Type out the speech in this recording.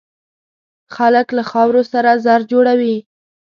خلک له خاورو سره زر جوړوي.